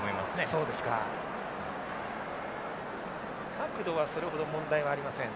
角度はそれほど問題はありません。